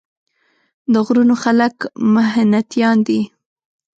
د غرونو خلک محنتيان دي ـ